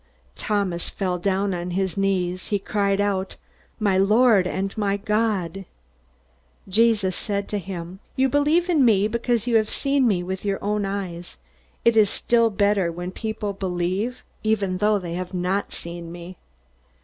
Thomas fell down on his knees. He cried out, "My Lord and my God!" Jesus said to him: "You believe in me because you have seen me with your own eyes. It is still better when people believe even though they have not seen me."